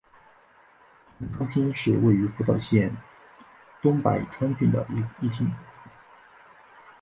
棚仓町是位于福岛县东白川郡的一町。